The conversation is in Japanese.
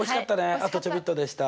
あとちょびっとでした。